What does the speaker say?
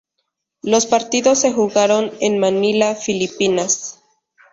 Los partidos se jugaron en Manila, Filipinas.